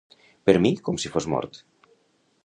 Per mi, com si fos mort.